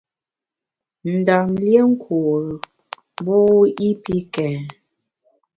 Ndam lié nkure mbu i pi kèn.